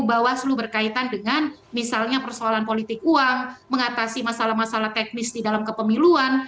bawaslu berkaitan dengan misalnya persoalan politik uang mengatasi masalah masalah teknis di dalam kepemiluan